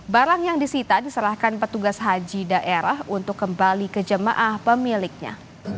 barang yang disita diserahkan petugas haji daerah untuk kembali ke jemaah pemiliknya